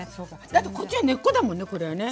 だってこっちは根っこだもんねこれはね。